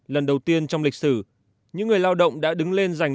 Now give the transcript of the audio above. lần đầu tiên trong lịch sử những người lao động đã đứng lên giành